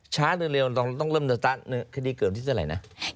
ช้าเร็วต้องเริ่มตั้งคดีเกิดที่เท่าไหร่นะ